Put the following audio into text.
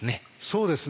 そうですね